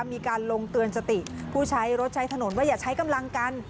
มีการลงเตือนสติผู้ใช้รถใช้ถนนว่าอย่าใช้กำลังกัน